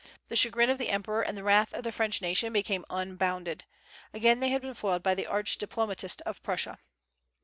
The chagrin of the emperor and the wrath of the French nation became unbounded. Again they had been foiled by the arch diplomatist of Prussia.